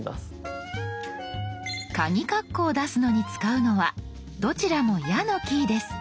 カギカッコを出すのに使うのはどちらも「や」のキーです。